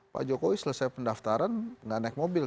pak jokowi selesai pendaftaran nggak naik mobil